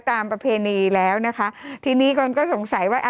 ประเพณีแล้วนะคะทีนี้คนก็สงสัยว่า